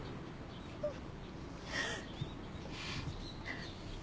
うん。